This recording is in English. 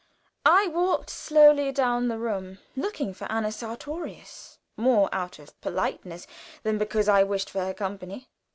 I walked slowly down the room looking for Anna Sartorius, more out of politeness than because I wished for her company.